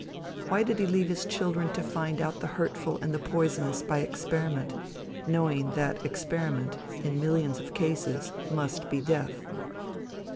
Why did he leave his children to find out the hurtful and the poisonous by experiment, knowing that experiment, in millions of cases, must be death?